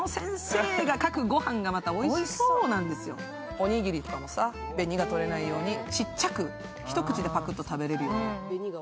おにぎりとかもさ、紅が取れないようにちっちゃく一口でパクッと食べられるように。